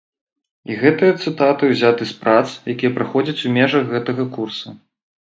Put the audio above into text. І гэтыя цытаты ўзяты з прац, якія праходзяць у межах гэтага курса.